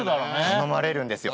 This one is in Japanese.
頼まれるんですよ。